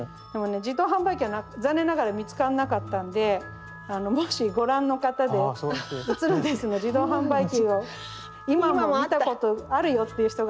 自動販売機は残念ながら見つかんなかったんでもしご覧の方で「写ルンです」の自動販売機を今も見たことあるよっていう人がいたら。